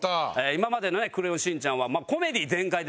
今までの『クレヨンしんちゃん』はコメディー全開でですね